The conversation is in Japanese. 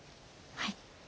はい。